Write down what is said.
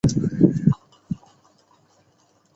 户冢是位于东京都新宿区北部的地区。